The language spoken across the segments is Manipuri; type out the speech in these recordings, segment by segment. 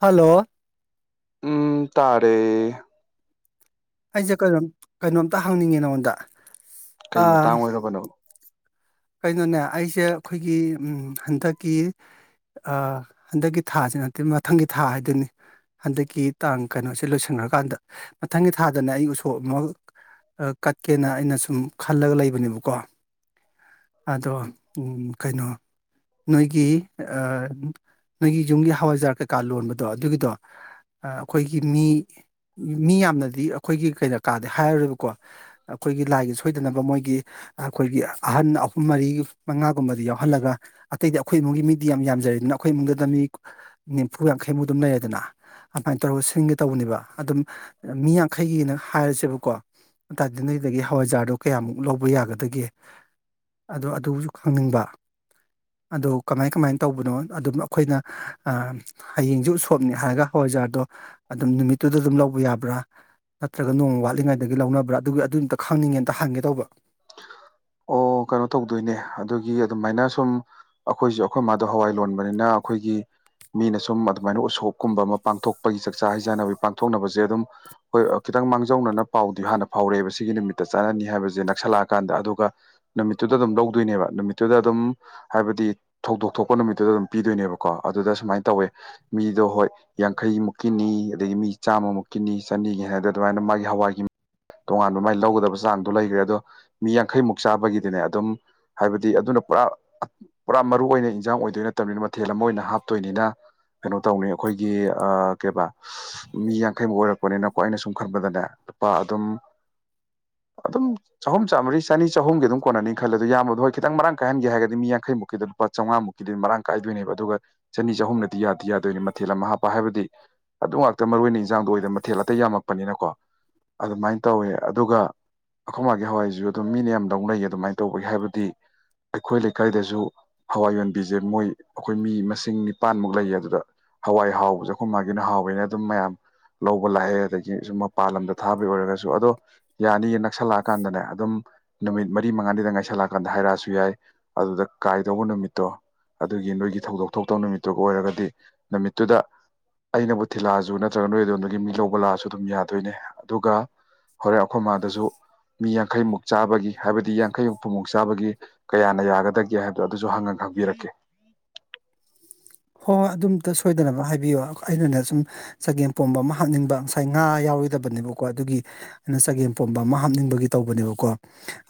ꯍꯜꯂꯣ ꯎꯝ ꯇꯥꯔꯦ ꯑꯩꯁꯦ ꯀꯩꯅꯣꯝ ꯀꯩꯅꯣꯝꯇ ꯍꯪꯅꯤꯡꯉꯦ ꯅꯪꯉꯣꯟꯗ ꯀꯩ ꯃꯇꯥꯡ ꯑꯣꯏꯔꯕꯅꯣ ꯀꯩꯅꯣꯅꯦ ꯑꯩꯁꯦ ꯑꯩꯈꯣꯏꯒꯤ ꯎꯝ ꯍꯟꯗꯛꯀꯤ ꯑꯥ ꯍꯟꯗꯛꯀꯤ ꯊꯥꯁꯤ ꯅꯠꯇꯦ ꯃꯊꯪꯒꯤ ꯊꯥ ꯍꯥꯏꯗꯣꯏꯅꯤ ꯍꯟꯗꯛꯀꯤ ꯇꯥꯡ ꯀꯩꯅꯣꯁꯦ ꯂꯣꯏꯁꯟꯒꯔꯥ ꯀꯥꯟꯗ ꯃꯊꯪꯒꯤ ꯊꯥꯗꯅ ꯑꯩ ꯎꯁꯣꯞ ꯑꯃ ꯀꯠꯀꯦꯅ ꯑꯩꯅ ꯁꯨꯝ ꯈꯜꯂꯒ ꯂꯩꯕꯅꯦꯕꯀꯣ ꯑꯗꯣ ꯎꯝ ꯀꯩꯅꯣ ꯅꯣꯏꯒꯤ ꯑ ꯅꯣꯏꯒꯤ ꯌꯨꯝꯒꯤ ꯍꯋꯥꯏꯖꯥꯔ ꯀꯩꯀꯥ ꯂꯣꯟꯕꯗꯣ ꯑꯗꯨꯒꯤꯗꯣ ꯑꯩꯈꯣꯏꯒꯤ ꯃꯤ ꯃꯤ ꯌꯥꯝꯅꯗꯤ ꯑꯩꯈꯣꯏꯒꯤ ꯀꯩꯔꯛ ꯀꯥꯗꯤ ꯍꯥꯏꯔꯔꯣꯏꯕꯀꯣ ꯑꯩꯈꯣꯏꯒꯤ ꯂꯥꯏꯒꯤ ꯁꯣꯏꯗꯅꯕ ꯃꯣꯏꯒꯤ ꯑꯩꯈꯣꯏꯒꯤ ꯑꯍꯟ ꯃꯔꯤ ꯃꯉꯥꯒꯨꯝꯕꯗꯤ ꯌꯥꯎꯍꯜꯂꯒ ꯑꯇꯩꯗꯤ ꯑꯩꯈꯣꯏ ꯏꯃꯨꯡꯒꯤ ꯃꯤꯗꯤ ꯌꯥꯝ ꯌꯥꯝꯖꯔꯦꯗꯅ ꯑꯩꯈꯣꯏ ꯏꯃꯨꯡꯗꯗ ꯃꯤ ꯅꯤꯝꯐꯨ ꯌꯥꯡꯈꯩꯃꯨꯛ ꯑꯗꯨꯝ ꯂꯩꯔꯦꯗꯅ ꯑꯃꯥꯏ ꯇꯧꯔꯒ ꯁꯤꯟꯒꯦ ꯇꯧꯕꯅꯦꯕ ꯑꯗꯨꯝ ꯃꯤ ꯌꯥꯡꯈꯩꯒꯤꯅ ꯍꯥꯏꯔꯁꯦꯕꯀꯣ ꯑꯗꯨ ꯇꯥꯗꯤ ꯅꯣꯏꯗꯒꯤ ꯍꯋꯥꯏꯖꯥꯔꯗꯣ ꯀꯌꯥꯃꯨꯛ ꯂꯧꯕ ꯌꯥꯒꯗꯒꯦ ꯑꯗꯣ ꯑꯗꯨꯕꯨꯖꯨ ꯈꯪꯅꯤꯡꯕ ꯑꯗꯣ ꯀꯃꯥꯏ ꯀꯃꯥꯏꯟ ꯇꯧꯕꯅꯣ ꯑꯗꯨꯝ ꯑꯩꯈꯣꯏꯅ ꯍꯌꯦꯡꯖꯦ ꯎꯁꯣꯞꯅꯤ ꯍꯥꯏꯔꯒ ꯍꯋꯥꯏꯖꯥꯔꯗꯣ ꯑꯗꯨꯝ ꯅꯨꯃꯤꯠꯇꯨꯗ ꯑꯗꯨꯝ ꯂꯧꯕ ꯌꯥꯕ꯭ꯔꯥ ꯅꯠꯇ꯭ꯔꯒ ꯅꯣꯡꯃ ꯋꯥꯠꯂꯤꯉꯩꯗꯒꯤ ꯂꯧꯅꯕ꯭ꯔꯥ ꯑꯗꯨꯒꯤ ꯑꯗꯨꯝꯇꯥ ꯈꯪꯅꯤꯡꯉꯦ ꯑꯥꯝꯇ ꯍꯪꯒꯦ ꯇꯧꯕ ꯑꯣ ꯀꯩꯅꯣ ꯇꯧꯗꯣꯏꯅꯦ ꯑꯗꯨꯒꯤ ꯑꯗꯨꯃꯥꯏꯅ ꯁꯨꯝ ꯑꯩꯈꯣꯏꯖꯨ ꯑꯩꯈꯣꯏ ꯃꯥꯗꯣ ꯍꯋꯥꯏ ꯂꯣꯟꯕꯅꯤꯅ ꯑꯩꯈꯣꯏꯒꯤ ꯃꯤꯅ ꯁꯨꯝ ꯑꯗꯨꯃꯥꯏꯅ ꯎꯁꯣꯞꯀꯨꯝꯕ ꯑꯃ ꯄꯥꯡꯊꯣꯛꯄꯒꯤ ꯆꯥꯛꯆꯥ ꯍꯩꯖꯥꯟꯅꯕꯤ ꯄꯥꯡꯊꯣꯛꯅꯕꯖꯦ ꯑꯗꯨꯝ ꯍꯣꯏ ꯈꯤꯇꯪ ꯃꯥꯡꯖꯧꯅꯅ ꯄꯥꯎꯗꯤ ꯍꯥꯟꯅ ꯐꯥꯎꯔꯛꯑꯦꯕ ꯁꯤꯒꯤ ꯅꯨꯃꯤꯠꯇꯥ ꯆꯥꯔꯅꯤ ꯍꯥꯏꯕꯖꯦ ꯅꯛꯁꯜꯂꯛꯑꯀꯥꯟꯗ ꯑꯗꯨꯒ ꯅꯨꯃꯤꯠꯇꯨꯗ ꯑꯗꯨꯝ ꯂꯧꯗꯣꯏꯅꯦꯕ ꯅꯨꯃꯤꯠꯇꯨꯗ ꯑꯗꯨꯝ ꯍꯥꯏꯕꯗꯤ ꯊꯧꯗꯣꯛ ꯊꯣꯛꯄ ꯅꯨꯃꯤꯠꯇꯨꯗ ꯑꯗꯨꯝ ꯄꯤꯗꯣꯏꯅꯦꯕꯀꯣ ꯑꯗꯨꯗ ꯁꯨꯃꯥꯏꯅ ꯇꯧꯋꯦ ꯃꯤꯗꯣ ꯍꯣꯏ ꯌꯥꯡꯈꯩ ꯃꯨꯛꯀꯤꯅꯤ ꯑꯗꯒꯤ ꯃꯤ ꯆꯥꯝꯃꯃꯨꯛꯀꯤꯅꯤ ꯆꯅꯤꯒꯤ ꯍꯥꯏꯗ ꯑꯗꯨꯃꯥꯏꯅ ꯃꯥꯒꯤ ꯍꯋꯥꯏꯒꯤ ꯇꯣꯉꯥꯟꯕ ꯃꯥꯏ ꯂꯧꯒꯗꯕ ꯆꯥꯡꯗꯣ ꯂꯩꯒ꯭ꯔꯦ ꯑꯗꯣ ꯃꯤ ꯌꯥꯡꯈꯩꯃꯨꯛ ꯆꯥꯕꯒꯤꯗꯤꯅꯦ ꯑꯗꯨꯝ ꯍꯥꯏꯕꯗꯤ ꯑꯗꯨꯅ ꯄꯨꯔꯥ ꯄꯨꯔꯥ ꯃꯔꯨ ꯑꯣꯏꯅ ꯍꯤꯟꯖꯥꯡ ꯑꯣꯏꯗꯣꯏ ꯅꯠꯇꯕꯅꯤꯅ ꯃꯊꯦꯜ ꯑꯃ ꯑꯣꯏꯅ ꯍꯥꯞꯇꯣꯏꯅꯤꯅ ꯀꯩꯅꯣ ꯇꯧꯅꯤ ꯑꯩꯈꯣꯏꯒꯤ ꯑꯥ ꯀꯩꯕꯥ ꯃꯤ ꯌꯥꯡꯈꯩꯃꯨꯛ ꯑꯣꯏꯔꯛꯄꯅꯤꯅꯀꯣ ꯑꯩꯅ ꯁꯨꯝ ꯈꯟꯕꯗꯅꯦ ꯂꯨꯄꯥ ꯑꯗꯨꯝ ꯑꯗꯨꯝ ꯆꯍꯨꯝ ꯆꯥꯝꯃꯔꯤ ꯆꯅꯤ ꯆꯍꯨꯝꯒꯤ ꯑꯗꯨꯝ ꯀꯣꯟꯅꯅꯤ ꯈꯜꯂꯦ ꯑꯗꯨ ꯌꯥꯝꯕꯗꯣ ꯍꯣꯏ ꯈꯤꯇꯪ ꯃꯔꯥꯡ ꯀꯥꯏꯍꯟꯒꯦ ꯍꯥꯏꯔꯒꯗꯤ ꯃꯤ ꯌꯥꯡꯈꯩꯃꯨꯛꯀꯤꯗ ꯂꯨꯄꯥ ꯆꯝꯉꯥ ꯃꯨꯛꯀꯤꯗꯤ ꯃꯔꯥꯡ ꯀꯥꯏꯗꯣꯏꯅꯦꯕ ꯑꯗꯨꯒ ꯆꯅꯤ ꯆꯍꯨꯝꯅꯗꯤ ꯌꯥꯗꯤ ꯌꯥꯗꯣꯏꯅꯤ ꯃꯊꯦꯜ ꯑꯃ ꯍꯥꯞꯄ ꯍꯥꯏꯕꯗꯤ ꯑꯗꯨ ꯉꯥꯛꯇꯥ ꯃꯔꯨ ꯑꯣꯏꯅ ꯏꯟꯖꯥꯡꯗꯣ ꯑꯣꯏꯗ ꯃꯊꯦꯜ ꯑꯇꯩ ꯌꯥꯝꯃꯛꯄꯅꯤꯅꯀꯣ ꯑꯗꯨꯃꯥꯏꯅ ꯇꯧꯋꯦ ꯑꯗꯨꯒ ꯑꯈꯣꯏ ꯃꯥꯒꯤ ꯍꯋꯥꯏꯖꯨ ꯑꯗꯨꯝ ꯃꯤꯅ ꯌꯥꯝ ꯂꯧꯅꯩ ꯑꯗꯨꯃꯥꯏꯅ ꯇꯧꯕꯒꯤ ꯍꯥꯏꯕꯗꯤ ꯑꯩꯈꯣꯏ ꯂꯩꯀꯥꯏꯗꯖꯨ ꯍꯋꯥꯏ ꯌꯣꯟꯕꯤꯖꯦ ꯃꯣꯏ ꯑꯈꯣꯏ ꯃꯤ ꯃꯁꯤꯡ ꯅꯤꯄꯥꯟꯃꯨꯛ ꯂꯩꯌꯦ ꯑꯗꯨꯗ ꯍꯋꯥꯏ ꯍꯥꯎꯕꯖꯦ ꯑꯈꯣꯏ ꯃꯥꯒꯤꯅ ꯍꯥꯎꯋꯦꯅ ꯑꯗꯨꯝ ꯃꯌꯥꯝ ꯂꯧꯕ ꯂꯥꯛꯑꯦ ꯑꯗꯥ ꯁꯨꯝ ꯃꯄꯥꯟ ꯂꯝꯗ ꯊꯥꯕ ꯑꯣꯏꯔꯒꯁꯨ ꯑꯗꯣ ꯌꯥꯅꯤꯌꯦ ꯅꯛꯁꯜꯂꯛꯑꯀꯥꯟꯗꯅꯦ ꯑꯗꯨꯝ ꯅꯨꯃꯤꯠ ꯃꯔꯤ ꯃꯉꯥꯅꯤꯗ ꯉꯥꯏꯁꯜꯂꯛꯑꯀꯥꯟꯗ ꯍꯥꯏꯔꯛꯑꯁꯨ ꯌꯥꯏ ꯑꯗꯨꯗ ꯀꯥꯏꯗꯧꯕ ꯅꯨꯃꯤꯠꯇꯣ ꯑꯗꯨꯒꯤ ꯅꯣꯏꯒꯤ ꯊꯧꯗꯣꯛ ꯊꯣꯛꯇꯧ ꯅꯨꯃꯤꯠꯇꯨ ꯑꯣꯏꯔꯒꯗꯤ ꯅꯨꯃꯤꯠꯇꯨꯗ ꯑꯩꯅꯕꯨ ꯊꯤꯜꯂꯛꯑꯖꯨ ꯅꯠꯇ꯭ꯔꯒ ꯅꯣꯏ ꯑꯗꯣꯝꯗꯒꯤ ꯃꯤ ꯂꯧꯕ ꯂꯥꯛꯑꯁꯨ ꯑꯗꯨꯝ ꯌꯥꯗꯣꯏꯅꯦ ꯑꯗꯨꯒ ꯍꯣꯔꯦꯟ ꯑꯈꯣꯏ ꯃꯥꯗꯁꯨ ꯃꯤ ꯌꯥꯡꯈꯩꯃꯨꯛ ꯆꯥꯕꯒꯤ ꯍꯥꯏꯕꯗꯤ ꯌꯥꯡꯈꯩ ꯍꯨꯝꯐꯨꯃꯨꯛ ꯆꯥꯕꯒꯤ ꯀꯌꯥꯅ ꯌꯥꯒꯗꯒꯦ ꯍꯥꯏꯕꯗꯣ ꯑꯗꯨꯖꯨ ꯍꯪꯉ ꯈꯪꯕꯤꯔꯛꯀꯦ ꯍꯣꯏ ꯍꯣꯏ ꯑꯗꯨꯝꯇꯥ ꯁꯣꯏꯗꯅꯕ ꯍꯥꯏꯕꯤꯌꯣ ꯑꯩꯅꯅꯦ ꯁꯨꯝ ꯆꯒꯦꯝ ꯄꯣꯝꯕ ꯑꯃ ꯍꯥꯞꯅꯤꯡꯕ ꯉꯁꯥꯏ ꯉꯥ ꯌꯥꯎꯔꯣꯏꯗꯕꯅꯦꯕꯀꯣ ꯑꯗꯨꯒꯤ ꯅ ꯆꯒꯦꯝ ꯄꯣꯝꯕ ꯑꯃ ꯍꯥꯞꯅꯤꯡꯕꯒꯤ ꯇꯧꯕꯅꯦꯕꯀꯣ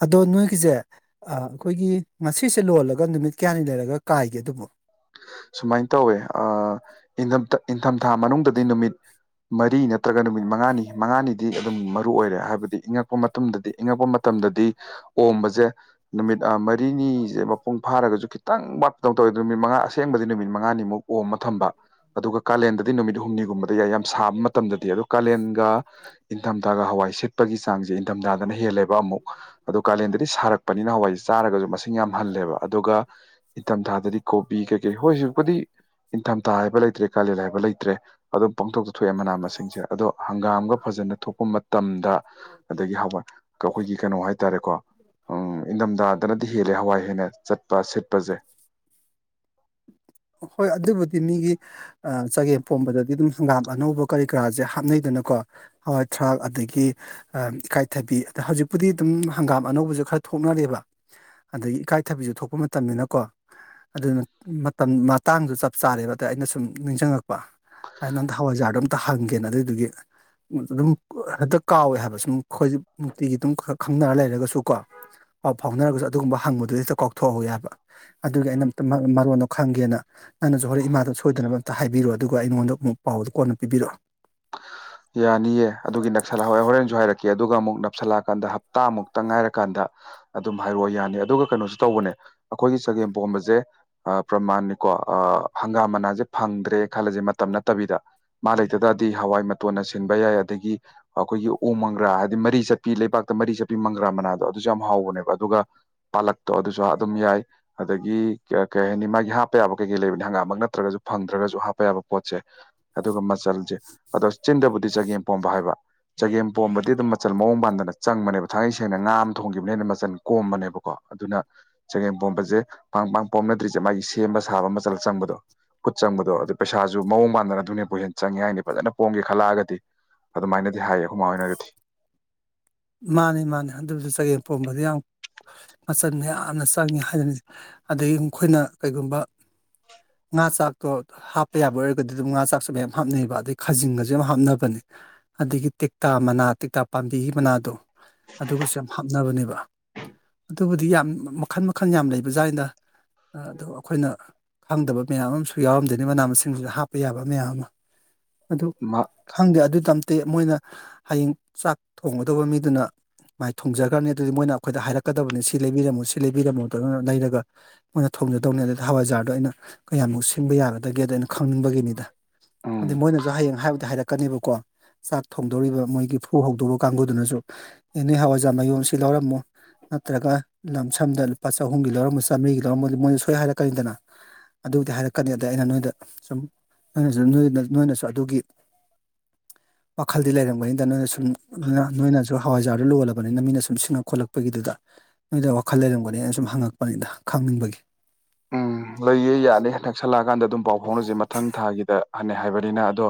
ꯑꯗꯣ ꯅꯣꯏꯒꯤꯖꯦ ꯑꯥ ꯑꯩꯈꯣꯏꯒꯤ ꯉꯁꯤꯁꯦ ꯂꯣꯜꯂꯒ ꯅꯨꯃꯤꯠ ꯀꯌꯥꯅꯤ ꯂꯩꯔꯒ ꯀꯥꯏꯒꯦ ꯑꯗꯨꯕꯣ ꯁꯨꯃꯥꯏꯅ ꯇꯧꯋꯦ ꯑꯥ ꯏꯟꯗꯝꯇꯥ ꯏꯟꯊꯝꯊꯥ ꯃꯅꯨꯡꯗꯗꯤ ꯅꯨꯃꯤꯠ ꯃꯔꯤ ꯅꯠꯇ꯭ꯔꯒ ꯅꯨꯃꯤꯠ ꯃꯉꯥꯅꯤ ꯃꯉꯥꯅꯤꯗꯤ ꯑꯗꯨꯝ ꯃꯔꯨ ꯑꯣꯏꯔꯦ ꯍꯥꯏꯕꯗꯤ ꯏꯪꯉꯛꯄ ꯃꯇꯝꯗꯗꯤ ꯏꯪꯉꯛꯄ ꯃꯇꯝꯗꯗꯤ ꯑꯣꯝꯕꯖꯦ ꯅꯨꯃꯤꯠ ꯃꯔꯤꯅꯤꯖꯦ ꯃꯄꯨꯡ ꯐꯥꯔꯒꯖꯨ ꯈꯤꯇꯪ ꯋꯥꯠꯄꯗꯧ ꯇꯧꯋꯦ ꯅꯨꯃꯤꯠ ꯃꯉꯥ ꯑꯁꯦꯡꯕꯗꯤ ꯅꯨꯃꯤꯠ ꯃꯉꯥꯅꯤꯃꯨꯛ ꯑꯣꯝꯃ ꯊꯝꯕ ꯑꯗꯨꯒ ꯀꯥꯂꯦꯟꯗꯗꯤ ꯅꯨꯃꯤꯠ ꯍꯨꯝꯅꯤꯒꯨꯝꯕꯗ ꯌꯥꯏ ꯌꯥꯝ ꯁꯥꯕ ꯃꯇꯝꯗꯗꯤ ꯑꯗꯨ ꯀꯥꯂꯦꯟꯒ ꯏꯪꯊꯝꯊꯥꯒ ꯍꯋꯥꯏ ꯁꯤꯠꯄꯒꯤ ꯆꯥꯡꯖꯦ ꯏꯟꯊꯝꯊꯥꯗꯅ ꯍꯦꯜꯂꯦꯕ ꯑꯃꯨꯛ ꯑꯗꯣ ꯀꯥꯂꯦꯟꯗꯗꯤ ꯁꯥꯔꯛꯄꯅꯤꯅ ꯍꯋꯥꯏꯁꯦ ꯆꯥꯔꯒꯁꯨ ꯃꯁꯤꯡ ꯌꯥꯝ ꯍꯜꯂꯦꯕ ꯑꯗꯨꯒ ꯏꯊꯝꯊꯥꯗꯗꯤ ꯀꯣꯛ ꯕꯤ ꯀꯩ ꯀꯩ ꯍꯣꯏ ꯍꯧꯖꯤꯛꯄꯨꯗꯤ ꯏꯟꯊꯝꯊꯥ ꯍꯥꯏꯕ ꯂꯩꯇ꯭ꯔꯦ ꯀꯥꯂꯦꯟ ꯍꯥꯏꯕ ꯂꯩꯇ꯭ꯔꯦ ꯑꯗꯨꯝ ꯄꯥꯡꯊꯣꯛꯇꯥ ꯊꯣꯛꯑꯦ ꯃꯅꯥ ꯃꯁꯤꯡꯁꯦ ꯑꯗꯣ ꯍꯪꯒꯥꯝꯒ ꯐꯖꯅ ꯊꯣꯛꯄ ꯃꯇꯝꯗ ꯑꯗꯒꯤ ꯍꯋꯥꯏ ꯑꯩꯈꯣꯏꯒꯤ ꯀꯩꯅꯣ ꯍꯥꯏꯇꯥꯔꯦꯀꯣ ꯎ ꯏꯪꯊꯝꯊꯥꯗꯅꯗꯤ ꯍꯦꯜꯂꯦ ꯍꯋꯥꯏ ꯍꯦꯟꯅ ꯆꯠꯄ ꯁꯤꯠꯄꯁꯦ ꯍꯣꯏ ꯑꯗꯨꯕꯨꯗꯤ ꯆꯒꯦꯝ ꯄꯣꯝꯕꯗꯗꯤ ꯑꯗꯨꯝ ꯍꯪꯒꯥꯝ ꯑꯅꯧꯕ ꯀꯔꯤ ꯀꯔꯥꯁꯦ ꯍꯥꯞꯅꯩꯗꯅꯀꯣ ꯍꯋꯥꯏ ꯊꯔꯥꯛ ꯑꯗꯒꯤ ꯏꯀꯥꯏꯊꯕꯤ ꯑꯗ ꯍꯧꯖꯤꯛꯄꯨꯗꯤ ꯑꯗꯨꯝ ꯍꯪꯒꯥꯝ ꯑꯅꯧꯕꯁꯨ ꯈꯔ ꯊꯣꯛꯅꯔꯦꯕ ꯑꯗꯒꯤ ꯏꯀꯥꯏꯊꯕꯤꯁꯨ ꯊꯣꯛꯄ ꯃꯇꯝꯅꯤꯅ ꯀꯣ ꯑꯗꯨ ꯃꯇꯝ ꯃꯇꯥꯡꯗꯨ ꯆꯞ ꯆꯥꯔꯦꯕ ꯑꯗ ꯑꯩꯅ ꯁꯨꯝ ꯅꯤꯡꯁꯤꯡꯉꯛꯄ ꯑꯩ ꯅꯉꯣꯟꯗ ꯍꯋꯥꯏꯖꯥꯔꯗꯣ ꯑꯝꯇ ꯍꯪꯒꯦꯅ ꯑꯗꯨꯏꯗꯨꯒꯤ ꯑꯗꯨꯝ ꯍꯦꯛꯇ ꯀꯥꯎꯋꯦ ꯍꯥꯏꯕ ꯁꯨꯝ ꯑꯩꯈꯣꯏ ꯅꯨꯡꯛꯇꯤꯒꯤ ꯑꯗꯨꯝ ꯈꯪꯅꯔ ꯂꯩꯔꯒꯁꯨ ꯀꯣ ꯄꯥꯎ ꯐꯥꯎꯅꯔꯒꯁꯨ ꯑꯗꯨꯒꯨꯝꯕ ꯍꯪꯕꯗꯨꯗꯤ ꯍꯦꯛꯇꯥ ꯀꯥꯎꯊꯣꯛꯍꯧꯏ ꯍꯥꯏꯕ ꯑꯗꯨꯒꯤ ꯑꯩꯅ ꯃꯔꯣꯟꯗꯣ ꯈꯪꯒꯦꯅ [unintelligible] ꯅꯪꯩꯅꯁꯨ ꯍꯣꯔꯦꯟ ꯏꯃꯥꯗ ꯁꯣꯏꯗꯅꯕ ꯑꯝꯇ ꯍꯥꯏꯕꯤꯔꯣ ꯑꯗꯨꯒ ꯑꯩꯉꯣꯟꯗ ꯑꯃꯨꯛ ꯄꯥꯎꯗꯣ ꯀꯣꯟꯅ ꯄꯤꯕꯤꯔꯛꯑꯣ ꯌꯥꯅꯤꯌꯦ ꯑꯗꯨꯒꯤ ꯅꯞꯁꯜꯂ ꯍ ꯍꯣꯔꯦꯟꯁꯨ ꯍꯥꯏꯔꯛꯀꯦ ꯑꯗꯨꯒ ꯑꯃꯨꯛ ꯅꯞꯁꯜꯂꯛꯑꯀꯥꯟꯗ ꯍꯞꯇꯥꯃꯨꯛꯇꯪ ꯉꯥꯏꯔꯀꯥꯟꯗ ꯑꯗꯨꯝ ꯍꯥꯏꯔꯛꯑꯣ ꯌꯥꯅꯤ ꯑꯗꯨꯒ ꯀꯩꯅꯣꯁꯨ ꯇꯧꯕꯅꯦ ꯑꯩꯈꯣꯏꯒꯤ ꯆꯒꯦꯝ ꯄꯣꯝꯕꯁꯦ ꯑ ꯄ꯭ꯔꯃꯥꯟꯅꯤꯀꯣ ꯑ ꯍꯪꯒꯥꯝ ꯃꯅꯥꯁꯦ ꯐꯪꯗ꯭ꯔꯦ ꯈꯜꯂꯁꯦ ꯃꯇꯝ ꯅꯠꯇꯕꯤꯗ ꯃꯥ ꯂꯩꯇ ꯇꯔꯗꯤ ꯍꯋꯥꯏ ꯃꯇꯣꯟꯅ ꯁꯤꯟꯕ ꯌꯥꯏ ꯑꯗꯒꯤ ꯑꯩꯈꯣꯏꯒꯤ ꯎ ꯃꯪꯒ꯭ꯔꯥ ꯍꯥꯏꯗꯤ ꯃꯔꯤ ꯆꯠꯄꯤ ꯂꯩꯕꯥꯛꯇ ꯃꯔꯤ ꯆꯠꯄꯤ ꯃꯪꯒ꯭ꯔꯥ ꯃꯅꯥꯗꯣ ꯑꯗꯨꯁꯨ ꯌꯥꯝ ꯍꯥꯎꯕꯅꯦꯕ ꯑꯗꯨꯒ ꯄꯥꯜꯂꯛꯇꯣ ꯑꯗꯨꯁꯨ ꯑꯗꯨꯝ ꯌꯥꯏ ꯑꯗꯒꯤ ꯀꯩ ꯍꯥꯏꯅꯤ ꯃꯥꯒꯤ ꯍꯥꯞꯄ ꯌꯥꯕ ꯀꯩꯀꯩ ꯂꯩꯕꯅꯤ ꯍꯪꯒꯥꯝꯃꯛ ꯅꯠꯇ꯭ꯔꯒꯁꯨ ꯐꯪꯗ꯭ꯔꯒꯁꯨ ꯍꯥꯞꯄ ꯌꯥꯕ ꯄꯣꯠꯁꯦ ꯑꯗꯨꯒ ꯃꯆꯜꯁꯦ [inaudible] ꯑꯗꯣ ꯆꯤꯟꯗꯕꯨꯗꯤ ꯆꯒꯦꯝ ꯄꯣꯝꯕ ꯍꯥꯏꯕ ꯆꯒꯦꯝ ꯄꯣꯝꯕꯗꯤ ꯑꯗꯨꯝ ꯃꯆꯜ ꯃꯑꯣꯡ ꯃꯥꯟꯗꯅ ꯆꯪꯕꯅꯦꯕ ꯊꯥꯡꯒꯩ ꯁꯦꯡꯅ ꯉꯥ ꯑꯃ ꯊꯣꯡꯈꯤꯕꯅꯤꯅ ꯃꯆꯜ ꯀꯣꯝꯕꯅꯦꯕꯀꯣ ꯑꯗꯨꯅ ꯆꯒꯦꯝ ꯄꯣꯝꯕꯁꯦ ꯄꯥꯡ ꯄꯥꯡ ꯄꯣꯝꯅꯗ꯭ꯔꯤꯁꯦ ꯃꯥꯒꯤ ꯁꯦꯝꯕ ꯁꯥꯕ ꯃꯆꯜ ꯆꯪꯕꯗꯣ ꯈꯨꯠ ꯆꯪꯕꯗꯣ ꯑꯗꯨ ꯄꯩꯁꯥꯁꯨ ꯃꯑꯣꯡ ꯃꯥꯟꯗꯅ ꯑꯗꯨꯅꯕꯨ ꯍꯦꯟꯅ ꯆꯪꯉꯦ ꯍꯥꯏꯅꯤ ꯐꯖꯅ ꯄꯣꯝꯒꯦ ꯈꯜꯂꯛꯑꯒꯗꯤ ꯑꯗꯨꯃꯥꯏꯅꯗꯤ ꯍꯥꯏꯌꯦ ꯑꯩꯈꯣꯏ ꯃꯥ ꯍꫭꯏꯅꯒꯗꯤ ꯃꯥꯅꯤ ꯃꯥꯅꯤ ꯑꯗꯨꯗꯤ ꯆꯒꯦꯝ ꯄꯣꯝꯕꯗꯤ ꯌꯥꯝ ꯃꯆꯟ ꯃꯌꯥꯝꯅ ꯆꯪꯉꯤ ꯍꯥꯏꯕꯅꯤ ꯑꯗꯩ ꯑꯩꯈꯣꯏꯅ ꯀꯩꯒꯨꯝꯕ ꯉꯥ ꯆꯥꯛꯇꯣ ꯍꯥꯞꯄ ꯌꯥꯕ ꯑꯣꯏꯔꯒꯗꯤ ꯑꯗꯨꯝ ꯉꯥ ꯆꯥꯛꯁꯨ ꯃꯌꯥꯝ ꯍꯥꯞꯅꯩꯕ ꯑꯗꯩ ꯈꯥꯖꯤꯡꯒꯁꯨ ꯌꯥꯝ ꯍꯥꯞꯅꯕꯅꯦ ꯑꯗꯒꯤ ꯇꯦꯛꯇꯥ ꯃꯅꯥ ꯇꯦꯛꯇꯥ ꯄꯥꯝꯕꯤꯒꯤ ꯃꯅꯥꯗꯣ ꯑꯗꯨꯒꯁꯨ ꯌꯥꯝ ꯍꯥꯞꯅꯕꯅꯦꯕ ꯑꯗꯨꯕꯨꯗꯤ ꯌꯥꯝ ꯃꯈꯜ ꯃꯈꯜ ꯌꯥꯝ ꯂꯩꯕꯖꯥꯅꯤꯗ ꯑꯗꯨ ꯑꯩꯈꯣꯏꯅ ꯈꯪꯗꯕ ꯃꯌꯥꯝ ꯑꯃꯁꯨ ꯌꯥꯎꯔꯝꯗꯣꯏꯅꯤ ꯃꯅꯥ ꯃꯁꯤꯡꯁꯨ ꯍꯥꯞꯄ ꯌꯥꯕ ꯃꯌꯥꯝ ꯑꯃ ꯑꯗꯨ ꯃꯥ ꯈꯪꯗꯦ ꯑꯗꯨ ꯇꯝꯇꯦ ꯃꯣꯏꯅ ꯍꯌꯦꯡ ꯆꯥꯛ ꯊꯣꯡꯒꯗꯧꯕ ꯃꯤꯗꯨꯅ ꯃꯥꯏ ꯊꯣꯡꯖꯈꯒꯔꯅꯤ ꯑꯗꯨꯗꯤ ꯃꯣꯏꯅ ꯑꯩꯈꯣꯏꯗ ꯍꯥꯏꯔꯛꯀꯗꯕꯅꯤ ꯁꯤ ꯂꯩꯕꯤꯔꯝꯃꯨ ꯁꯤ ꯂꯩꯕꯤꯔꯝꯃꯨꯗꯨ ꯂꯩꯔꯒ ꯃꯣꯏꯅ ꯊꯣꯡꯖꯗꯧꯅꯤ ꯑꯗꯨꯗ ꯍꯋꯥꯏꯖꯥꯔꯗꯣ ꯑꯩꯅ ꯀꯌꯥꯃꯨꯛ ꯁꯤꯟꯕ ꯌꯥꯒꯗꯒꯦꯗꯣ ꯑꯩꯅ ꯈꯪꯅꯤꯡꯕꯒꯤꯅꯤꯗ ꯎꯝ ꯑꯗ ꯃꯣꯏꯅꯁꯨ ꯍꯌꯦꯡ ꯍꯥꯏꯕꯨꯗꯤ ꯍꯥꯏꯔꯛꯀꯅꯦꯕꯀꯣ ꯆꯥꯛ ꯊꯣꯡꯗꯧꯔꯤꯕ ꯃꯣꯏꯒꯤ ꯐꯨ ꯍꯧꯗꯧꯕ ꯀꯥꯡꯕꯨ ꯑꯗꯨꯅꯁꯨ ꯑꯦ ꯅꯣꯏ ꯍꯋꯥꯏꯖꯥ ꯃꯌꯣꯝ ꯁꯤ ꯂꯧꯔꯝꯃꫭ ꯅꯠꯇ꯭ꯔꯒ ꯂꯝ ꯁꯝꯗ ꯂꯨꯄꯥ ꯆꯍꯨꯝꯒꯤ ꯂꯧꯔꯝꯃꫭ ꯆꯥꯝꯃꯔꯤꯒꯤ ꯂꯧꯔꯝꯃꫭ ꯃꯣꯏꯅ ꯁꯣꯏ ꯍꯥꯏꯔꯛꯀꯅꯤꯗꯅ ꯑꯗꯨꯗꯤ ꯍꯥꯏꯔꯛꯀꯅꯤ ꯑꯗ ꯑꯩꯅ ꯅꯣꯏꯗ ꯁꯨꯝ ꯅꯣꯏꯅꯁꯨ ꯅ ꯅꯣꯏꯅꯁꯨ ꯑꯗꯨꯒꯤ ꯋꯥꯈꯜꯗꯤ ꯂꯩꯔꯝꯒꯅꯤꯗ ꯅꯣꯏꯅ ꯁꯨꯝ [unintelligible] ꯅꯣꯏꯅꯁꯨ ꯍꯋꯥꯏꯖꯥꯔꯗꯨ ꯂꯣꯜꯂꯕꯅꯤꯅ ꯃꯤꯅ ꯁꯨꯝ ꯁꯤꯡꯉꯛ ꯈꯣꯠꯂꯛꯄꯒꯤꯗꯨꯗ ꯅꯣꯏꯗ ꯋꯥꯈꯜ ꯂꯩꯔꯝꯒꯅꯤ ꯑꯩꯅ ꯁꯨꯝ ꯍꯪꯉꯛꯄꯅꯤꯗ ꯈꯪꯅꯤꯡꯕꯒꯤ ꯎꯝ ꯂꯩꯌꯦ ꯌꯥꯅꯤ ꯅꯛꯁꯜꯂꯛꯑꯀꯥꯟꯗ ꯑꯗꯨꯝ ꯄꯥꯎ ꯐꯥꯎꯅꯁꯦ ꯃꯊꯪ ꯊꯥꯒꯤꯗ ꯍꯥꯅꯦ ꯍꯥꯏꯕꯅꯤꯅ ꯑꯗꯣ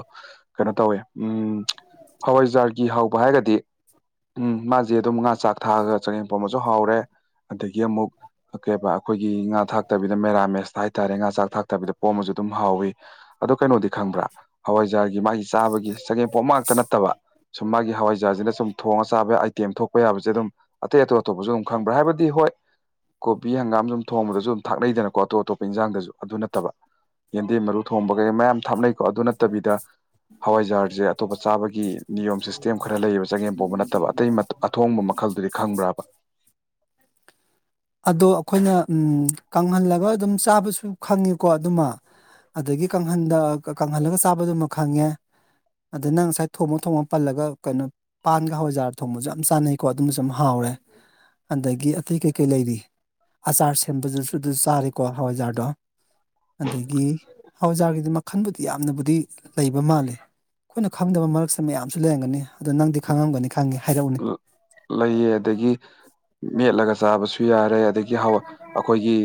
ꯀꯩꯅꯣ ꯇꯧꯋꯦ ꯎꯝ ꯍꯋꯥꯏꯖꯥꯔꯒꯤ ꯍꯥꯎꯕ ꯍꯥꯏꯔꯒꯗꯤ ꯎꯝ ꯃꯥꯁꯦ ꯑꯗꯨꯝ ꯉꯥ ꯆꯥꯛ ꯊꯥꯛꯑꯒ ꯆꯒꯦꯝꯄꯣꯝꯕꯁꯨ ꯍꯥꯎꯔꯦ ꯑꯗꯒꯤ ꯑꯃꯨꯛ ꯀꯩꯕ ꯑꯩꯈꯣꯏꯒꯤ ꯉꯥ ꯊꯥꯛ ꯇꯕꯤꯗ ꯃꯦꯔꯥꯃꯦꯁꯇ ꯍꯥꯏꯇꯥꯔꯦ ꯉꯥ ꯆꯥꯛ ꯊꯥꯛꯇꯕꯤꯗ ꯄꯣꯝꯃꯁꯨ ꯑꯗꯨꯝ ꯍꯥꯎꯋꯤ ꯑꯗꯣ ꯀꯩꯅꯣꯗꯤ ꯈꯪꯕ꯭ꯔꯥ ꯍꯋꯥꯏꯖꯥꯔꯒꯤ ꯃꯥꯒꯤ ꯆꯥꯕꯒꯤ ꯆꯒꯦꯝ ꯄꯣꯝꯕ ꯉꯥꯛꯇ ꯅꯠꯇꯕ ꯁꯨꯝ ꯃꯥꯒꯤ ꯍꯋꯥꯏꯖꯥꯔꯁꯤꯅ ꯁꯨꯝ ꯊꯣꯡꯉ ꯆꯥꯕ ꯑꯥꯏꯇꯦꯝ ꯊꯣꯛꯄ ꯌꯥꯕꯁꯦ ꯑꯗꯨꯝ ꯑꯇꯩ ꯑꯇꯣꯞ ꯑꯇꯣꯞꯄꯁꯨ ꯑꯗꯨꯝ ꯈꯪꯕ꯭ꯔꯥ ꯍꯥꯏꯕꯗꯤ ꯍꯣꯏ ꯀꯣꯕꯤ ꯍꯪꯒꯥꯝ ꯁꯨꯝ ꯊꯣꯡꯕꯗꯁꯨ ꯊꯥꯛꯅꯩꯗꯅꯀꯣ ꯑꯇꯣꯞ ꯑꯇꯣꯞꯄ ꯏꯟꯖꯥꯡꯗꯖꯨ ꯑꯗꯨ ꯅꯠꯇꯕ ꯌꯦꯟꯗꯦꯝ ꯃꯔꯨ ꯊꯣꯡꯕꯒꯩ ꯃꯌꯥꯝ ꯊꯥꯛꯅꯩ ꯀꯣ ꯑꯗꯨ ꯅꯠꯇꯕꯤꯗ ꯍꯋꯥꯏꯖꯥꯔꯁꯦ ꯑꯇꯣꯞꯄ ꯆꯥꯕꯒꯤ ꯅꯤꯌꯣꯝ ꯁꯤꯁꯇꯦꯝ ꯈꯔ ꯂꯩꯌꯦꯕ ꯆꯒꯦꯝ ꯄꯣꯝꯕ ꯅꯠꯇꯕ ꯑꯇꯩ ꯑꯊꯣꯡꯕ ꯃꯈꯜꯗꯨꯗꯤ ꯈꯪꯕ꯭ꯔꯕ ꯑꯗꯣ ꯑꯩꯈꯣꯏꯅ ꯎꯝ ꯀꯪꯍꯜꯂꯒ ꯑꯗꯨꯝ ꯆꯥꯕꯁꯨ ꯈꯪꯉꯤꯀꯣ ꯑꯗꯨꯃ ꯑꯗꯒꯤ ꯀꯪꯍꯟꯗ ꯀꯪꯍꯜꯂꯒ ꯆꯥꯕꯗꯨꯃ ꯈꯪꯉꯦ ꯑꯗ ꯅꯪ ꯉꯁꯥꯏ ꯊꯣꯡꯉ ꯊꯣꯡꯉ ꯄꯜꯂꯒ ꯀꯩꯅꯣ ꯄꯥꯟꯒ ꯍꯋꯥꯏꯖꯥꯔ ꯊꯣꯡꯕꯁꯨ ꯌꯥꯝ ꯆꯥꯟꯅꯩꯀꯣ ꯑꯗꯨꯝꯕꯁꯨ ꯍꯥꯎꯔꯦ ꯑꯗꯒꯤ ꯑꯇꯩ ꯀꯩ ꯀꯩ ꯂꯩꯔꯤ ꯑꯆꯥꯔ ꯁꯦꯝꯕꯗꯨꯁꯨ ꯑꯗꯨꯁꯨ ꯆꯥꯔꯦꯀꯣ ꯍꯋꯥꯏꯖꯥꯔꯗꯣ ꯑꯗꯒꯤ ꯍꯋꯥꯏꯖꯥꯔꯒꯤꯗꯤ ꯃꯈꯟꯕꯨꯗꯤ ꯌꯥꯝꯅꯕꯨꯗꯤ ꯂꯩꯕ ꯃꯥꯜꯂꯦ ꯑꯩꯈꯣꯏꯅ ꯈꯪꯗꯕ ꯃꯔꯛꯁ ꯃꯌꯥꯝꯁꯨ ꯂꯩꯔꯝꯒꯅꯤ ꯑꯗꯣ ꯅꯪꯗꯤ ꯈꯪꯉꯝꯒꯅꯤ ꯈꯪꯉꯦ ꯍꯥꯏꯔꯛꯎ ꯂꯩꯌꯦ ꯑꯗꯒꯤ ꯃꯦꯠꯂꯒ ꯆꯥꯕꯁꯨ ꯌꯥ ꯔꯦ ꯑꯗꯒꯤ ꯍꯋꯥ ꯑꯩꯈꯣꯏꯒꯤ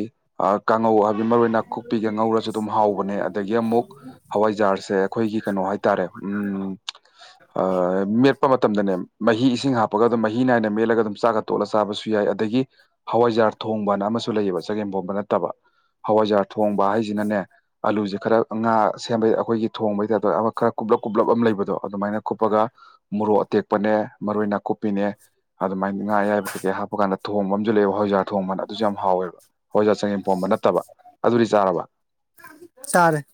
ꯑꯥ ꯀꯥꯡꯉꯧ ꯍꯥꯏꯕꯗꯤ ꯃꯔꯣꯏ ꯅꯥꯀꯨꯞꯄꯤꯒ ꯉꯧꯔꯁꯨ ꯑꯗꯨꯝ ꯍꯥꯎꯕꯅꯦ ꯑꯗꯒꯤ ꯑꯃꯨꯛ ꯍꯋꯥꯏꯖꯥꯔꯁꯦ ꯑꯩꯈꯣꯏꯒꯤ ꯀꯩꯅꯣ ꯍꯥꯏꯇꯥꯔꯦ ꯎꯝ ꯑꯥ ꯃꯦꯠꯄ ꯃꯇꯝꯗꯅꯦ ꯃꯍꯤ ꯏꯁꯤꯡ ꯍꯥꯞꯄꯒ ꯑꯗꯨꯝ ꯃꯍꯤ ꯅꯥꯏꯅ ꯃꯦꯠꯂꯒ ꯑꯗꯨꯝ ꯆꯥꯛꯀ ꯇꯣꯠꯂ ꯆꯥꯕꯁꯨ ꯌꯥꯏ ꯑꯗꯒꯤ ꯍꯋꯥꯏꯖꯥꯔ ꯊꯣꯡꯕꯅ ꯑꯃꯁꯨ ꯂꯩꯌꯦꯕ ꯆꯒꯦꯝꯄꯣꯝꯕ ꯅꯠꯇꯕ ꯍꯋꯥꯏꯖꯥꯔ ꯊꯣꯡꯕ ꯍꯥꯏꯁꯤꯅꯅꯦ ꯑꯂꯨꯁꯦ ꯈꯔ ꯉꯥ ꯁꯦꯝꯕꯩ ꯑꯩꯈꯣꯏꯒꯤ ꯊꯣꯡꯕꯩ ꯇꯥꯏꯐꯇ ꯈꯔ ꯀꯨꯞꯂꯞ ꯀꯨꯞꯂꯞ ꯑꯃ ꯂꯩꯕꯗꯣ ꯑꯗꯨꯃꯥꯏꯅ ꯀꯨꯞꯄꯒ ꯃꯣꯔꯣꯛ ꯑꯇꯦꯛꯄꯅꯦ ꯃꯔꯣꯏ ꯅꯥꯀꯨꯞꯄꯤꯅꯦ ꯑꯗꯨꯃꯥꯏꯅ ꯉꯥ ꯑꯌꯥꯏꯕ ꯀꯩꯀꯩ ꯍꯥꯞꯄꯀꯥꯟꯗ ꯊꯣꯡꯕ ꯑꯃꯁꯨ ꯂꯩꯕ ꯍꯋꯥꯏꯖ꯭ꯥꯔ ꯊꯣꯡꯕꯅ ꯑꯗꯨꯁꯨ ꯌꯥꯝ ꯍꯥꯎꯋꯦꯕ ꯍꯋꯥꯏꯖ꯭ꯔ ꯆꯒꯦꯝ ꯄꯣꯝꯕ ꯅꯠꯇꯕ ꯑꯗꯨꯗꯤ ꯆꯥꯔꯕ ꯆꯔꯦ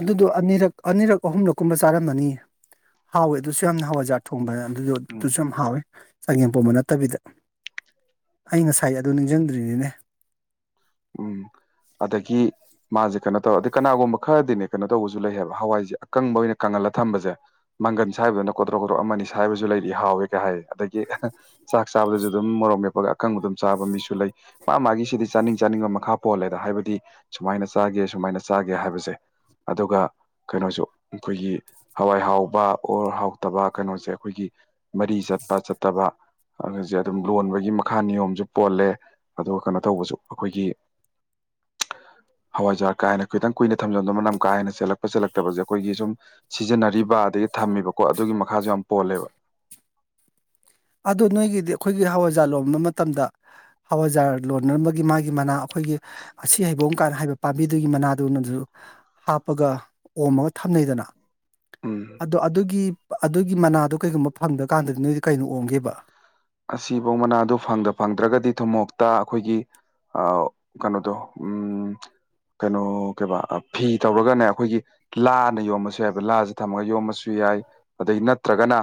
ꯑꯗꯨꯗꯣ ꯑꯅꯤꯔꯛ ꯑꯅꯤꯔꯛ ꯑꯍꯨꯝꯂꯛ ꯀꯨꯝꯕ ꯆꯥꯔꯝꯃꯅꯤ ꯍꯥꯎꯋꯦ ꯑꯗꯨꯁꯨ ꯌꯥꯝꯅ ꯍꯋꯥꯏꯖ꯭ꯔ ꯊꯣꯡꯕꯅ ꯑꯗꯨꯖꯨ ꯎꯝ ꯑꯗꯨꯁꯨ ꯌꯥꯝ ꯍꯥꯎꯋꯦ ꯆꯥꯒꯦꯝꯄꯣꯝꯕ ꯅꯠꯇꯕꯤꯗ ꯑꯩ ꯉꯁꯥꯏ ꯑꯗꯨ ꯅꯤꯡꯖꯪꯗ꯭ꯔꯤꯅꯤꯅꯦ ꯎꯝ ꯑꯗꯒꯤ ꯃꯥꯁꯦ ꯀꯩꯅꯣ ꯇꯧꯔ ꯑꯗꯒꯤ ꯀꯅꯥꯒꯨꯝꯕ ꯈꯔꯗꯤꯅꯦ ꯀꯩꯅꯣ ꯇꯧꯕꯁꯨ ꯂꯩ ꯍꯥꯏꯕ ꯍꯋꯥꯏꯁꯦ ꯑꯀꯪꯕ ꯑꯣꯏꯅ ꯀꯪꯍꯜꯂ ꯊꯝꯕꯁꯦ ꯃꯪꯒꯟ ꯁꯥꯏꯕꯗꯧꯅ ꯀꯣꯗ꯭ꯔꯣꯛ ꯀꯣꯗ꯭ꯔꯣꯛ ꯑꯃꯅꯤ ꯁꯥꯏꯕꯁꯨ ꯂꯩꯔꯤꯌꯦ ꯍꯥꯎꯋꯦ ꯀ ꯍꯥꯏ ꯑꯗꯒꯤ ꯆꯥꯛ ꯆꯥꯕꯗꯁꯨ ꯑꯗꯨꯝ ꯃꯣꯔꯣꯛ ꯃꯦꯠꯄꯒ ꯑꯀꯪꯕ ꯑꯗꯨꯝ ꯆꯥꯕ ꯃꯤꯁꯨ ꯂꯩ ꯃꯥ ꯃꯥꯒꯤ ꯁꯤꯗꯤ ꯆꯥꯅꯤꯡ ꯆꯥꯅꯤꯡꯕ ꯃꯈꯥ ꯄꯣꯜꯂꯦꯗ ꯍꯥꯏꯕꯗꯤ ꯁꯨꯃꯥꯏꯅ ꯆꯥꯒꯦ ꯁꯨꯃꯥꯏꯅ ꯆꯥꯒꯦ ꯍꯥꯏꯕꯁꯦ ꯑꯗꯨꯒ ꯀꯩꯅꯣꯁꯨ ꯑꯩꯈꯣꯏꯒꯤ ꯍꯋꯥꯏ ꯍꯥꯎꯕ ꯑꯣꯔ ꯍꯥꯎꯇꯕ ꯀꯩꯅꯣꯁꯦ ꯑꯩꯈꯣꯏꯒꯤ ꯃꯔꯤ ꯆꯠꯄ ꯆꯠꯇꯕ [unintelligible] ꯑꯗꯨꯝ ꯂꯣꯟꯕꯒꯤ ꯃꯈꯥ ꯅꯤꯌꯣꯝꯁꯨ ꯄꯣꯜꯂꯦ ꯑꯗꯨꯒ ꯀꯩꯅꯣ ꯇꯧꯕꯁꯨ ꯑꯈꯣꯏꯒꯤ ꯍꯋꯥꯏꯖꯥꯔ ꯀꯥ ꯍꯦꯟꯅ ꯈꯤꯇꯪ ꯀꯨꯏꯅ ꯊꯝꯖꯟꯗꯣ ꯃꯅꯝ ꯀꯥꯍꯦꯟꯅ ꯆꯦꯜꯂꯛꯄ ꯆꯦꯜꯂꯛꯇꯕꯁꯦ ꯑꯩꯈꯣꯏꯒꯤ ꯁꯨꯝ ꯁꯤꯖꯤꯟꯅꯔꯤꯕ ꯑꯗꯒꯤ ꯊꯝꯃꯤꯕꯀꯣ ꯑꯗꯨꯒꯤ ꯃꯈꯥꯁꯨ ꯌꯥꯝ ꯄꯣꯜꯂꯦꯕ ꯑꯗꯨ ꯅꯣꯏꯒꯤꯗꯤ ꯑꯩꯈꯣꯏꯒꯤ ꯍꯋꯥꯏꯖꯥ ꯂꯣꯟꯕ ꯃꯇꯝꯗ ꯍꯋꯥꯖꯥꯔ ꯂꯣꯟꯅꯕꯒꯤ ꯃꯥꯒꯤ ꯃꯅꯥ ꯑꯩꯈꯣꯏꯒꯤ ꯑꯁꯤ ꯍꯩꯕꯣꯡ ꯀꯥꯅ ꯍꯥꯏꯕ ꯄꯥꯝꯕꯤꯗꯨꯒꯤ ꯃꯅꯥꯗꯨꯅꯖꯨ ꯍꯥꯞꯄꯒ ꯑꯣꯝꯃꯒ ꯊꯝꯅꯩꯗꯅ ꯎꯝ ꯑꯗꯣ ꯑꯗꯨꯒꯤ ꯑꯗꯨꯒꯤ ꯃꯅꯥꯗꯣ ꯀꯩꯒꯨꯝꯕ ꯐꯪꯗ꯭ꯔꯀꯥꯟꯗꯗꯤ ꯅꯣꯏꯗꯤ ꯀꯩꯅꯣ ꯑꯣꯝꯒꯦꯕ ꯑꯁꯤꯕꯧ ꯃꯅꯥꯗꯨ ꯐꯪꯗ ꯐꯪꯗ꯭ꯔꯒꯗꯤ ꯊꯨꯝꯃꯣꯛꯇ ꯑꯈꯣꯏꯒꯤ ꯑꯥꯎ ꯀꯩꯅꯣꯗꯣ ꯎꯝ ꯀꯩꯅꯣ ꯀꯩꯕꯥ ꯑ ꯐꯤ ꯇꯧꯔꯒꯅꯦ ꯑꯩꯈꯣꯏꯒꯤ ꯂꯥꯅ ꯌꯣꯝꯃꯁꯨ ꯌꯥꯏꯕ ꯂꯥꯁꯤ ꯊꯝꯃꯒ ꯌꯣꯝꯃꯁꯨ ꯌꯥꯏ ꯑꯗꯩ ꯅꯠꯇ꯭ꯔꯒꯅ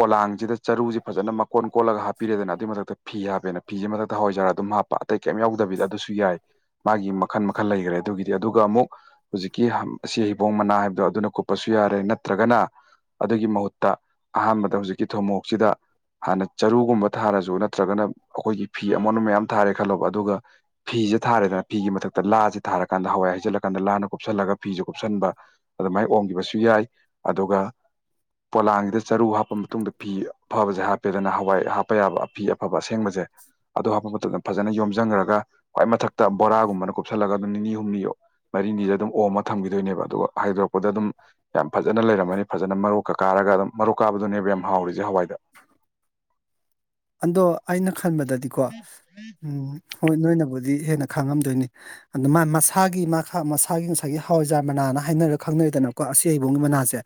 ꯄꯣꯂꯥꯡꯖꯤꯗ ꯆꯔꯨꯖꯤ ꯐꯖꯅ ꯃꯀꯣꯟ ꯀꯣꯜꯂꯒ ꯍꯥꯞꯄꯤꯔꯦꯗꯅ ꯑꯗꯨꯏ ꯃꯊꯛꯇ ꯐꯤ ꯍꯥꯞꯄꯦꯅ ꯐꯤꯖꯤ ꯃꯊꯛꯇ ꯍꯋꯥꯏꯖꯥꯔ ꯑꯗꯨꯝ ꯍꯥꯞ ꯄꯥꯛ ꯑꯇꯩ ꯀꯩꯝ ꯌꯥꯎꯗꯕꯤꯗ ꯑꯗꯨꯁꯨ ꯌꯥꯏ ꯃꯥꯒꯤ ꯃꯈꯟ ꯃꯈꯜ ꯂꯩꯒꯔꯦ ꯑꯗꯨꯒꯤꯗꯤ ꯑꯗꯨꯒ ꯑꯃꯨꯛ ꯍꯨꯖꯤꯛꯀꯤ ꯍꯝ ꯑꯁꯤ ꯍꯩꯕꯣꯡ ꯃꯅꯥ ꯍꯥꯏꯕꯗꯣ ꯑꯗꯨꯅ ꯀꯨꯞꯄꯁꯨ ꯌꯥꯔꯦ ꯅꯠꯇ꯭ꯔꯒꯅ ꯑꯗꯨꯒꯤ ꯃꯍꯨꯠꯇ ꯑꯍꯥꯟꯕꯗ ꯍꯧꯖꯤꯛꯀꯤ ꯊꯨꯃꯣꯛꯁꯤꯗ ꯍꯥꯟꯅ ꯆꯔꯨꯒꯨꯝꯕ ꯊꯥꯔꯖꯨ ꯅꯠꯇ꯭ꯔꯒꯅ ꯑꯩꯈꯣꯏꯒꯤ ꯐꯤ ꯑꯃꯣꯟꯕ ꯃꯌꯥꯝ ꯊꯥꯔꯦ ꯈꯜꯂꯣꯕ ꯑꯗꯨꯒ ꯐꯤꯖꯦ ꯊꯥꯔꯦꯗꯅ ꯐꯤꯒꯤ ꯃꯊꯛꯇ ꯂꯥꯖꯤ ꯊꯥꯔꯀꯥꯟꯗ ꯍꯋꯥꯏ ꯍꯩꯖꯤꯜꯂꯀꯥꯟꯗ ꯂꯥꯅ ꯀꯨꯞꯁꯜꯂꯒ ꯐꯤꯁꯦ ꯀꯨꯞꯁꯟꯕ ꯑꯗꯨꯃꯥꯏ ꯑꯣꯝꯒꯤꯕꯁꯨ ꯌꯥꯏ ꯑꯗꯨꯒ ꯄꯣꯂꯥꯡꯖꯤꯗ ꯆꯔꯨ ꯍꯥꯞꯄ ꯃꯇꯨꯡꯗ ꯐꯤ ꯐꯕꯖꯦ ꯍꯥꯞꯄꯦꯗꯅ ꯍꯋꯥꯏ ꯍꯥꯞꯄ ꯌꯥꯕ ꯐꯤ ꯑꯐꯕ ꯑꯁꯦꯡꯕꯖꯦ ꯑꯗꯨ ꯍꯥꯞꯄ ꯃꯇꯝꯗ ꯐꯖꯅ ꯌꯣꯝꯖꯟꯒ꯭ꯔꯒ ꯈ꯭ꯋꯥꯏ ꯃꯊꯛꯇ ꯕꯣꯔꯥꯒꯨꯝꯕꯅ ꯀꯨꯞꯁꯜꯂꯒ ꯑꯗꯨꯝ ꯅꯤꯅꯤ ꯍꯨꯝꯅꯤꯌꯣ ꯃꯔꯤꯅꯤꯗ ꯑꯗꯨꯝ ꯑꯣꯝꯃ ꯊꯝꯒꯤꯗꯣꯏꯅꯦꯕ ꯑꯗꯨꯒ ꯍꯥꯏꯗꯣꯔꯛꯄꯗ ꯑꯗꯨꯝ ꯌꯥꯝ ꯐꯖꯅ ꯂꯩꯔꯝꯃꯅꯤ ꯐꯖꯅ ꯃꯔꯣꯛꯀ ꯀꯥꯔꯒ ꯑꯗꯨꯝ ꯃꯔꯣꯛ ꯀꯥꯕꯗꯨꯅꯦꯕ ꯌꯥꯝ ꯍꯥꯎꯔꯤꯖꯦ ꯍꯋꯥꯏꯗ ꯑꯗꯣ ꯑꯩꯅ ꯈꯟꯕꯗꯗꯤꯀꯣ ꯎꯝ ꯍꯣꯏ ꯅꯣꯏꯅꯕꯨꯗꯤ ꯍꯦꯟꯅ ꯈꯪꯉꯝꯗꯣꯏꯅꯤ ꯑꯗꯨꯝ ꯃꯥ ꯃꯁꯥꯒꯤ ꯃꯥꯥꯈꯥ ꯃꯁꯥꯒꯤ ꯉꯁꯥꯏꯒꯤ ꯍꯋꯥꯏꯖꯥꯔ ꯃꯅꯥꯅ ꯍꯥꯏꯅꯔ ꯈꯪꯅꯔꯤꯗꯅꯀꯣ ꯑꯁꯤ ꯍꯩꯕꯣꯡꯒꯤ ꯃꯅꯥꯁꯦ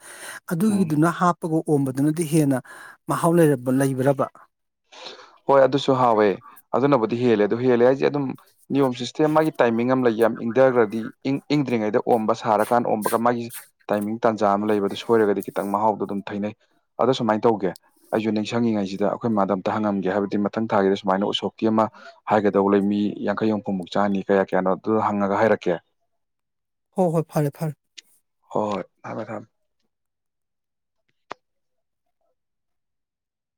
ꯎꯝ ꯑꯗꯨꯒꯤꯗꯨꯅ ꯍꯥꯞꯄꯒ ꯑꯣꯝꯕꯗꯨꯅꯗꯤ ꯍꯦꯟꯅ ꯃꯍꯥꯎ ꯂꯩꯔꯕ ꯂꯩꯕ꯭ꯔꯕ ꯍꯣꯏ ꯑꯗꯨꯁꯨ ꯍꯥꯎꯋꯦ ꯑꯗꯨꯅꯕꯨꯗꯤ ꯍꯦꯜꯂꯦ ꯑꯗꯨ ꯍꯦꯜꯂꯦ ꯍꯥꯏꯁꯦ ꯑꯗꯨꯝ ꯅꯤꯌꯣꯝ ꯁꯤꯁꯇꯦꯝ ꯃꯥꯒꯤ ꯇꯥꯏꯃꯤꯡ ꯑꯃ ꯂꯩ ꯌꯥꯝ ꯏꯪꯗꯒ꯭ꯔꯗꯤ ꯏꯪ ꯏꯪꯗ꯭ꯔꯤꯉꯩꯗ ꯑꯣꯝꯕ ꯁꯥꯔꯀꯥꯟ ꯑꯣꯝꯕꯒ ꯃꯥꯒꯤ ꯇꯥꯏꯃꯤꯡ ꯇꯥꯟꯖꯥ ꯑꯃ ꯂꯩꯕ ꯑꯗꯨ ꯁꯣꯏꯔꯒꯗꯤ ꯈꯤꯇꯪ ꯃꯍꯥꯎꯗꯣ ꯑꯗꯨꯝ ꯊꯩꯅꯩ ꯑꯗ ꯁꯨꯃꯥꯏ ꯇꯧꯒꯦ ꯑꯩꯖꯨ ꯅꯤꯡꯁꯤꯡꯉꯤꯉꯩꯁꯤꯗ ꯑꯩꯈꯣꯏ ꯃꯥꯗ ꯇ ꯍꯪꯉꯝꯒꯦ ꯍꯥꯏꯕꯗꯤ ꯃꯊꯪ ꯊꯥꯒꯤꯗ ꯁꯨꯃꯥꯏꯅ ꯎꯁꯣꯞꯀꯤ ꯑꯃ ꯍꯥꯏꯒꯗꯧꯕ ꯂꯩ ꯃꯤ ꯌꯥꯡꯈꯩ ꯍꯨꯝꯐꯨꯃꯨꯛ ꯆꯥꯅꯤ ꯀꯌꯥ ꯀꯌꯥꯅꯣ ꯑꯗꯨꯗꯣ ꯍꯪꯉꯒ ꯍꯥꯏꯔꯛꯀꯦ ꯍꯣ ꯍꯣꯏ ꯐꯔꯦ ꯐꯔꯦ ꯍꯣꯏ ꯍꯣꯏ ꯊꯝꯃꯦ ꯊꯝꯃꯦ